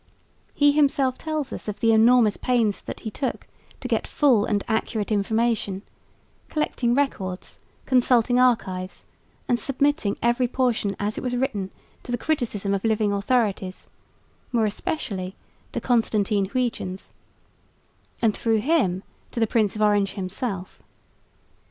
He himself tells us of the enormous pains that he took to get full and accurate information, collecting records, consulting archives and submitting every portion as it was written to the criticism of living authorities, more especially to Constantine Huyghens and through him to the Prince of Orange himself.